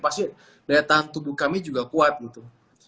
pasti daya tahan tubuh kami juga kuat gitu